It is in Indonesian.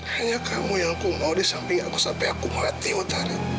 hanya kamu yang aku mau di samping aku sampai aku melatih utara